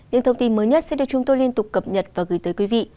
những thông tin mới nhất sẽ được chúng tôi liên tục cập nhật và gửi tới quý vị